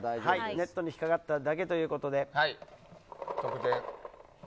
ネットに引っかかっただけということで。